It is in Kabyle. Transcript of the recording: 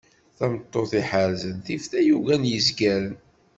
tameṭṭut i iḥerrzen tif tayuga n yezgaren.